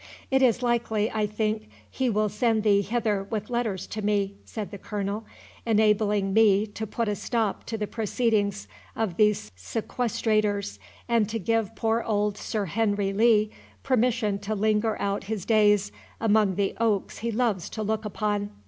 "It is likely, I think, he will send thee hither with letters to me," said the Colonel, "enabling me to put a stop to the proceedings of these sequestrators, and to give poor old Sir Henry Lee permission to linger out his days among the oaks he loves to look upon.